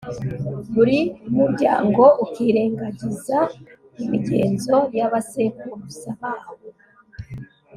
buri muryango ukirengagiza imigenzo y'abasekuruza bawo